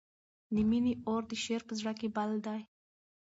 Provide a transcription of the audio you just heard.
د مینې اور د شاعر په زړه کې بل دی.